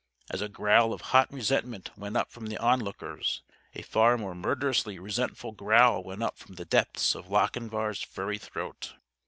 As a growl of hot resentment went up from the onlookers, a far more murderously resentful growl went up from the depths of Lochinvar's furry throat.